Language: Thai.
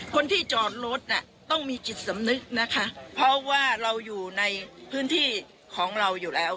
คนที่จอดรถน่ะต้องมีจิตสำนึกนะคะเพราะว่าเราอยู่ในพื้นที่ของเราอยู่แล้ว